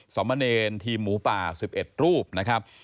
สมเนรทีมหมูป่า๑๑รูปนะครับ